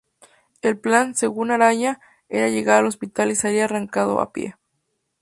El plan, según Araya, era llegar al hospital y salir arrancando a pie.